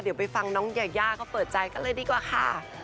เดี๋ยวไปฟังน้องยายาเขาเปิดใจกันเลยดีกว่าค่ะ